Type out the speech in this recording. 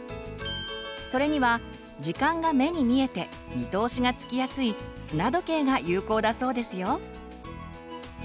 それには時間が目に見えて見通しがつきやすい砂時計が有効だそうですよ。